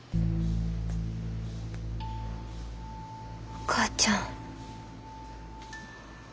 お母ちゃん。